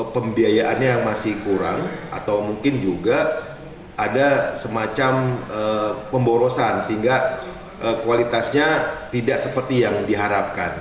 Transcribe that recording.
pembiayaannya masih kurang atau mungkin juga ada semacam pemborosan sehingga kualitasnya tidak seperti yang diharapkan